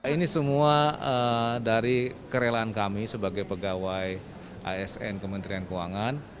ini semua dari kerelaan kami sebagai pegawai asn kementerian keuangan